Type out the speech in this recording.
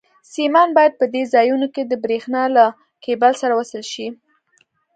سیمان باید په دې ځایونو کې د برېښنا له کېبل سره وصل شي.